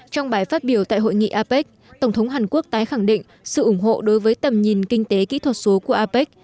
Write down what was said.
trong bài phát biểu tại hội nghị apec tổng thống hàn quốc tái khẳng định sự ủng hộ đối với tầm nhìn kinh tế kỹ thuật số của apec